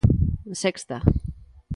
Sexta.